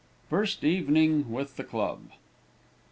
FIRST EVENING WITH THE CLUB.